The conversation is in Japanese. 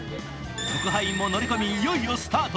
特派員も乗り込み、いよいよスタート。